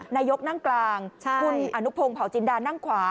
นายกนั่งกลางคุณอนุพงศ์เผาจินดานั่งขวา